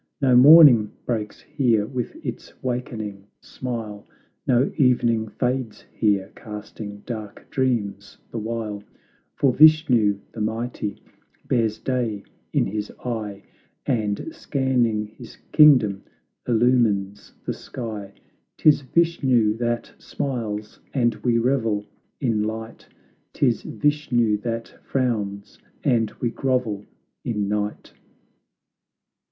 No morning breaks here with its wakening smile; No evening fades here, casting dark dreams the while; For Vishnu, the mighty, bears day in his eye, And, scanning his kingdom, illumines the sky; 'Tis Vishnu that smiles, and we revel in light; Tis Vishnu that frowns, and we grovel in night!